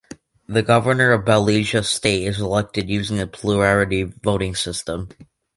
The Governor of Bayelsa State is elected using the plurality voting system.